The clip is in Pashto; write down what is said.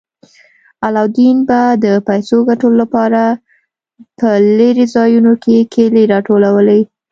علاوالدین به د پیسو ګټلو لپاره په لیرې ځایونو کې کیلې راټولولې.